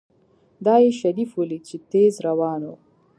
دا يې شريف وليد چې تېز روان و.